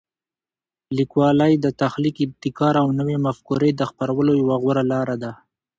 لیکوالی د تخلیق، ابتکار او نوي مفکورې د خپرولو یوه غوره لاره ده.